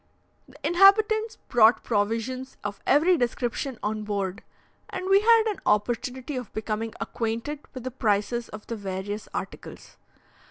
The inhabitants brought provisions of every description on board, and we had an opportunity of becoming acquainted with the prices of the various articles.